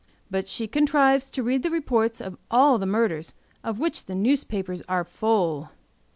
"But she contrives to read the reports of all the murders, of which the newspapers are full."